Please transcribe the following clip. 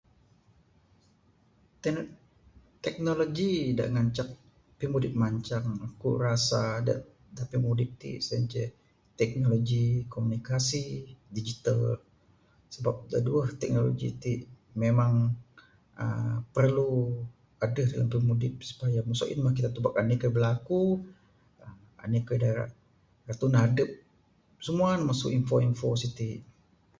Tekno teknologi da ngancak pimudip mancang ku rasa da pimudip ti sien ceh teknologi komunikasi digital sebab da duweh ti memang perlu adeh da pimudip supaya ain mah kita tubek anih kayuh berlaku anih kayuh da ra tunah adep simua ne masu info info siti.